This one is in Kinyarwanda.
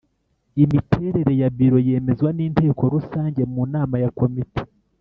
Imiterere ya biro yemezwa n’Inteko Rusange mu nama ya komite